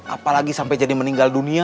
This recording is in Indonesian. apalagi sampai jadi meninggal dunia